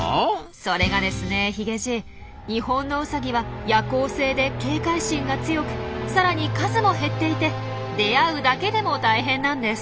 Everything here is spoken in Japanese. それがですねヒゲじいニホンノウサギは夜行性で警戒心が強くさらに数も減っていて出会うだけでも大変なんです。